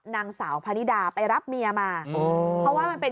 นางสาวพะนิดาไปรับเมียมาอ๋อเพราะว่ามันเป็น